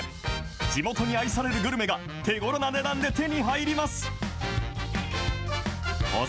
地元に愛されるグルメが手ごろな値段で手に入ります。